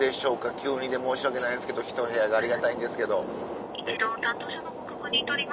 急にで申し訳ないですけどひと部屋がありがたいんですけど。